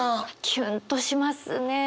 キュンとしますね。